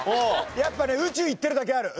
やっぱり宇宙行ってるだけある。